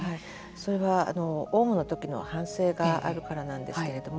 それはオウムのときの反省があるからなんですけれども。